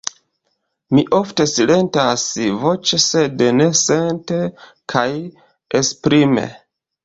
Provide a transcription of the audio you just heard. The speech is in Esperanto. Mi ofte silentas voĉe, sed ne sente kaj esprime.